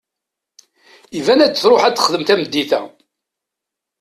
Iban ad tṛuḥ ad texdem tameddit-a.